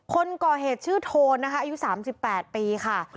คนก่อเหตุชื่อโทนนะคะอายุ๓๘ปีค่ะ